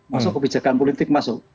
masuk kebijakan politik masuk